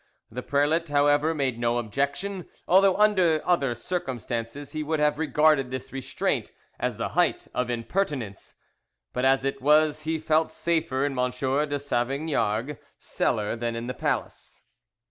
The prelate, however, made no objection, although under other circumstances he would have regarded this restraint as the height of impertinence; but as it was he felt safer in M. de Sauvignargues' cellar than in the palace.